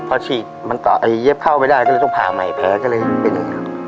เพราะฉีดมันเย็บเข้าไปได้ก็ต้องผ่าใหม่แผลก็เลยเป็นอย่างนั้น